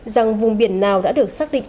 rằng vùng biển nào đã được xác định